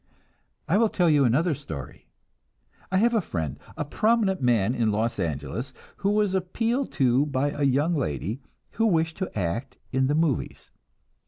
I will tell you another story. I have a friend, a prominent man in Los Angeles, who was appealed to by a young lady who wished to act in the "movies."